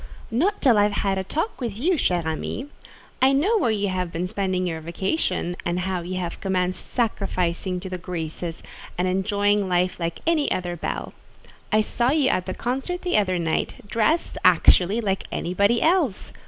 "Not till I have had a talk with you, chère amie. I know where you have been spending your vacation, and how you have commenced sacrificing to the graces, and enjoying life like any other belle. I saw you at the concert the other night, dressed, actually, like anybody else.